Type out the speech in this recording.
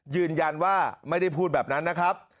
ยืนยันว่าไม่ได้พูดแบบนั้นนะครับ